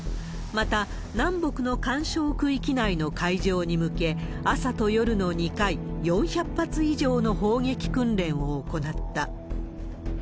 また、南北の緩衝区域内の海上に向け、朝と夜の２回、４００発以上の砲撃訓練を行った。